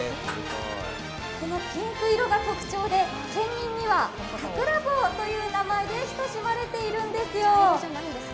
ピンク色が特徴で県民にはさくら棒という名前で親しまれているんですよ。